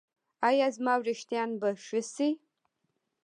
ایا زما ویښتان به ښه شي؟